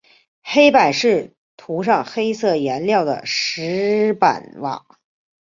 黑板是涂上黑色颜料的石板瓦。